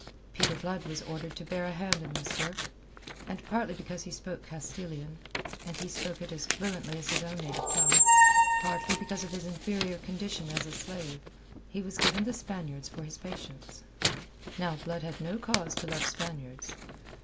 Peter Blood was ordered to bear a hand in this work, and partly because he spoke Castilian and he spoke it as fluently as his own native tongue partly because of his inferior condition as a slave, he was given the Spaniards for his patients. Now Blood had no cause to love Spaniards.